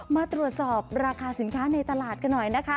มาตรวจสอบราคาสินค้าในตลาดกันหน่อยนะคะ